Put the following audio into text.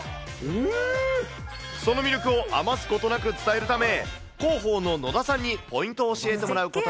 その魅力を余すことなく伝えるため、広報の野田さんにポイントを教えてもらうことに。